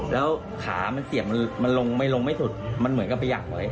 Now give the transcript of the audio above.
แล้วขามันเสียบมันลงไม่ลงไม่สุดมันเหมือนกับไปหักไว้